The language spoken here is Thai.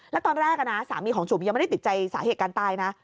แล้วตอนแรกนะสามีของจุ๋มยังไม่ได้ติดใจสาเหตุการตายนะ